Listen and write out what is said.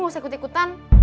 gak usah ikut ikutan